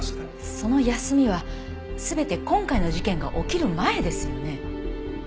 その休みは全て今回の事件が起きる前ですよね？